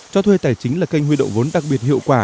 cho thuê tài chính là kênh huy động vốn đặc biệt hiệu quả